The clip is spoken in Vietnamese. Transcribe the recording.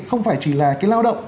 không phải chỉ là cái lao động